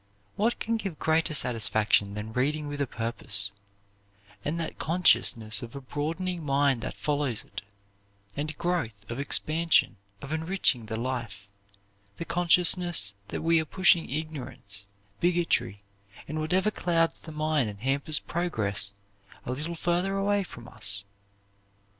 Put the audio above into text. What can give greater satisfaction than reading with a purpose, and that consciousness of a broadening mind that follows it, and growth, of expansion, of enriching the life, the consciousness that we are pushing ignorance, bigotry, and whatever clouds the mind and hampers progress a little further away from us?